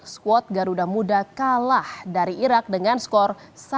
skuad garuda muda kalah dari irak dengan skor satu